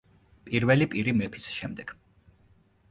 პირველი პირი მეფის შემდეგ.